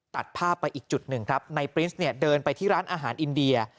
ตัดภาพไปอีกจุดหนึ่งครับในปริสเนี่ยเดินไปที่ร้านอาหารอินเดีย